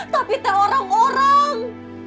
tapi teh orang orang